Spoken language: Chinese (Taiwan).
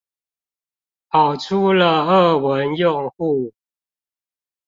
跑出了俄文用戶